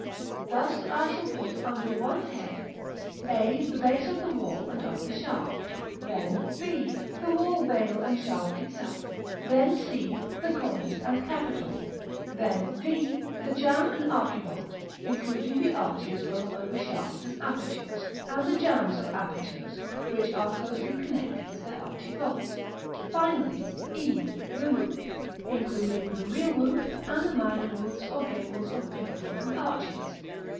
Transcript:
Thus I shall put under one head (A) the base of the wall and of the shaft; then (B) the wall veil and shaft itself; then (C) the cornice and capital; then (D) the jamb and archivolt, including the arches both over shafts and apertures, and the jambs of apertures, which are closely connected with their archivolts; finally (E) the roof, including the real roof, and the minor roofs or gables of pinnacles and arches.